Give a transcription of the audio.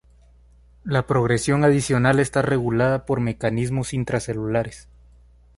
La progresión adicional está regulada por mecanismos intracelulares.